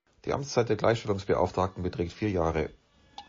Die Amtszeit der Gleichstellungsbeauftragten beträgt vier Jahre.